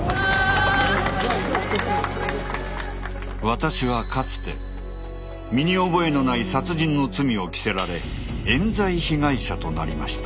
私はかつて身に覚えのない殺人の罪を着せられえん罪被害者となりました。